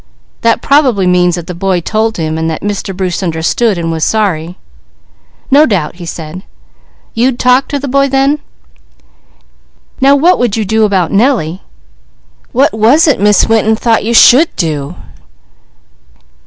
"That probably means that the boy told him and that Mr. Bruce understood and was sorry." "No doubt," he said. "You'd talk to the boy then? Now what would you do about Nellie?" "What was it Miss Winton thought you should do?"